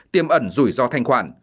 tiêm ẩn rủi ro thanh khoản